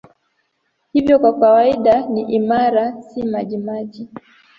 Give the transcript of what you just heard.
Hivyo kwa kawaida ni imara, si majimaji.